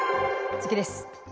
次です。